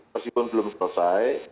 masih pun belum selesai